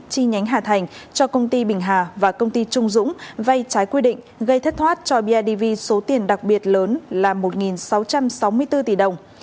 chi nhánh hà thành cho công ty bình hà và công ty trung dũng vay trái quy định gây thất thoát cho bidv số tiền đặc biệt lớn là một sáu trăm sáu mươi bốn tỷ đồng